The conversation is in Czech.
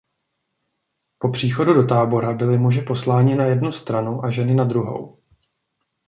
Po příchodu do tábora byli muži posláni na jednu stranu a ženy na druhou.